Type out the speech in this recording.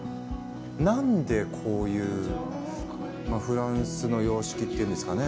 何でこういうフランスの様式っていうんですかね。